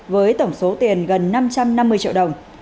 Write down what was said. với tổng số tiền gần năm trăm năm mươi triệu đồng